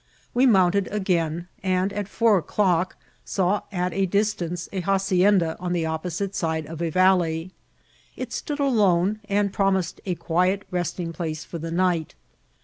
We mounted again, and at four o'clock saw at a distance a hacienda, on the opposite side of a valley. It stood alone, and prom ised a quiet resting place for the night.